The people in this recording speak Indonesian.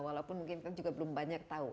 walaupun mungkin kan juga belum banyak tahu